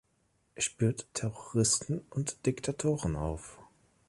Er spürt Terroristen und Diktatoren auf.